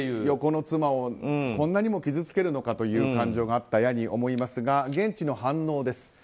横の妻をこんなにも傷つけるのかという感情があったやに思いますが現地の反応です。